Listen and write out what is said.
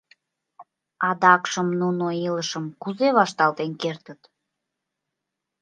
Адакшым нуно илышым кузе вашталтен кертыт?